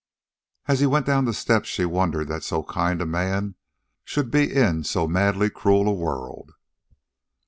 And as he went down the steps she wondered that so kind a man should be in so madly cruel a world.